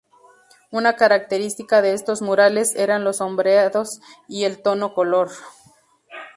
Una característica de estos murales eran los sombreados y el tono color.